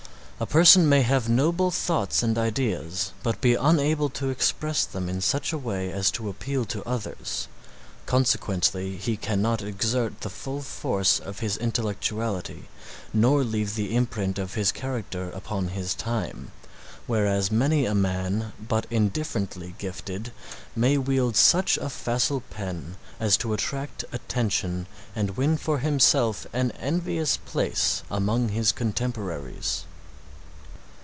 A person may have noble thoughts and ideas but be unable to express them in such a way as to appeal to others, consequently he cannot exert the full force of his intellectuality nor leave the imprint of his character upon his time, whereas many a man but indifferently gifted may wield such a facile pen as to attract attention and win for himself an envious place among his contemporaries.